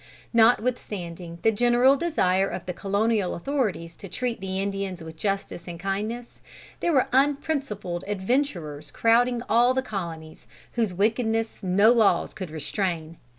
Notwithstanding the general desire of the colonial authorities to treat the Indians with justice and kindness, there were unprincipled adventurers crowding all the colonies, whose wickedness no laws could restrain.